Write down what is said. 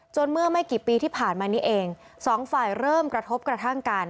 เมื่อไม่กี่ปีที่ผ่านมานี้เองสองฝ่ายเริ่มกระทบกระทั่งกัน